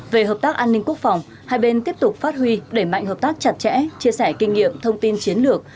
về hợp tác an ninh quốc phòng hai bên tiếp tục phát huy đẩy mạnh hợp tác chặt chẽ chia sẻ kinh nghiệm thông tin chiến lược